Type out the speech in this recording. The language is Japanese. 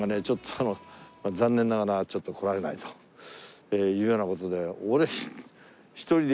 ちょっと残念ながらちょっと来られないというような事で俺。